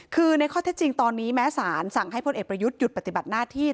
คือในข้อเท็จจริงตอนนี้แม้สารสั่งให้พลเอกประยุทธ์หยุดปฏิบัติหน้าที่